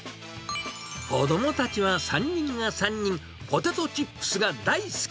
子どもたちは３人が３人、ポテトチップスが大好き。